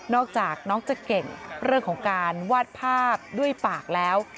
อกจากน้องจะเก่งเรื่องของการวาดภาพด้วยปากแล้ว